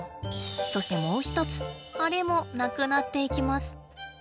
そしてもう一つあれもなくなっていきます。